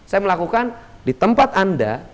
saya melakukan di tempat anda